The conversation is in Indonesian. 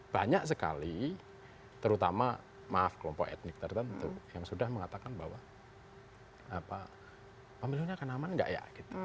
banyak sekali terutama maaf kelompok etnik tertentu yang sudah mengatakan bahwa pemilunya akan aman nggak ya